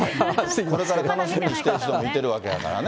これから楽しみにしている人もいてるわけやからね。